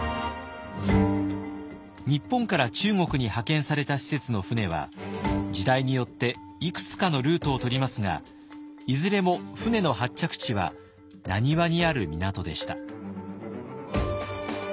日本から中国に派遣された使節の船は時代によっていくつかのルートをとりますがいずれも船の発着地は難波にある港でした。